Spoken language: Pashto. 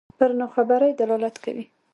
پر ناخبرۍ دلالت کوي.